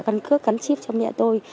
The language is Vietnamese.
căn cức căn chip cho mẹ tôi